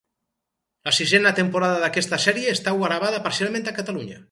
La sisena temporada d'aquesta sèrie està gravada parcialment a Catalunya.